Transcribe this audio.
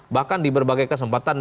bahkan di berbagai kesempatan